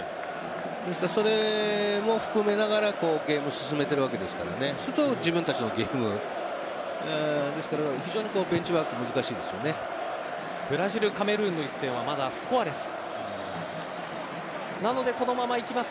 それも含めながらゲームを進めているわけですからねそうすると自分たちのゲームですから非常にブラジル、カメルーンの一戦はまだスコアレスです。